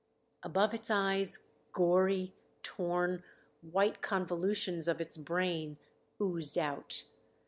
Above its eyes, gory, torn, white convolutions of its brain oozed out.